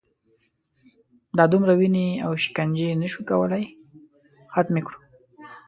دا دومره وینې او شکنجې نه شو کولای ختمې کړو.